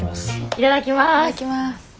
いただきます。